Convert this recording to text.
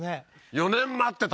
「４年待ってた！」